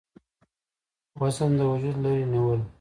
وزن د وجوده لرې نيول ،